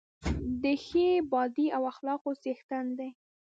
د ښې باډۍ او اخلاقو څښتن دی.